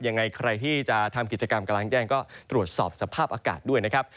ยังไงใครที่จะทำกิจกรรมกำลังแจ้งก็ตรวจสอบสภาพอากาศด้วยนะครับ